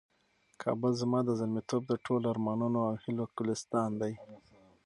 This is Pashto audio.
کابل زما د زلمیتوب د ټولو ارمانونو او هیلو ګلستان دی.